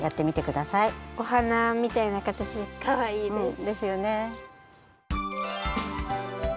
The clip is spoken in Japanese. おはなみたいなかたちでかわいいです。ですよね。